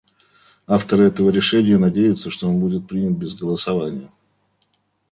Авторы этого решения надеются, что он будет принят без голосования.